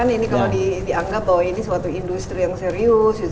ini kalau dianggap bahwa ini suatu industri yang serius